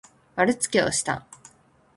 まるつけをした。